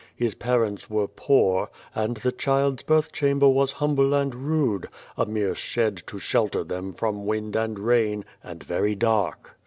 His parents were poor, and the child's birth chamber was humble and rude a mere shed to shelter them from wind and rain and very dark.